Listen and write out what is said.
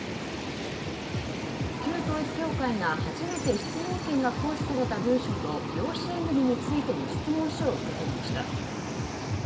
旧統一教会が初めて質問権が行使された文書と養子縁組についての質問書を受け取りました。